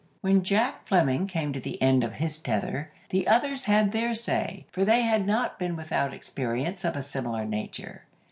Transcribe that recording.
When Jack Fleming came to the end of his tether, the others had their say, for they had not been without experiences of a similar nature.